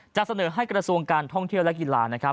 จะเสนอให้กระทรวงการท่องเที่ยวและกีฬานะครับ